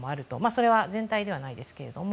それは全体ではないですけど。